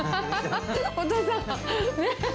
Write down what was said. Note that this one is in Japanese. お父さん、ねぇ。